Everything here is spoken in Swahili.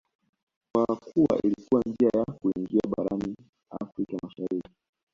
kwa kuwa ilikuwa njia ya kuingia barani Afrika Mashariki